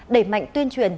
đẩy mạnh tuyên truyền